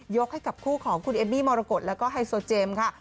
ให้กับคู่ของคุณเอมมี่มรกฏแล้วก็ไฮโซเจมส์ค่ะ